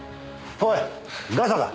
おいガサだ。